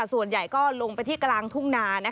ส่วนใหญ่ก็ลงไปที่กลางทุ่งนา